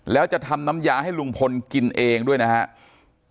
แล้วจะทำน้ำยาให้ลุงพลกินเองด้วยนะครับ